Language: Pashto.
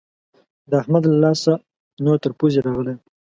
د احمد له لاسه نور تر پوزې راغلی يم.